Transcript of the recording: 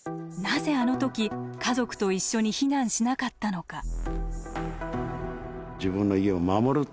なぜあの時家族と一緒に避難しなかったのか。